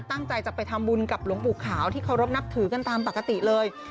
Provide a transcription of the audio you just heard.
ตั้งใจจะไปทำบุญกับหลวงปู่ขาวที่เคารพนับถือกันตามปกติเลย